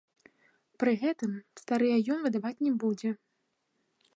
Пры гэтым, старыя ён выдаваць не будзе.